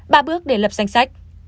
ba bước để lập danh sách